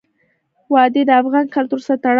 وادي د افغان کلتور سره تړاو لري.